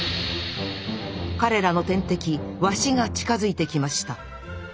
彼らの天敵ワシが近づいてきました